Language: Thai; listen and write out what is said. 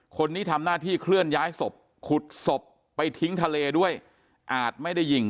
คนนี้ทำหน้าที่เคลื่อนย้ายศพขุดศพไปทิ้งทะเลด้วยอาจไม่ได้ยิง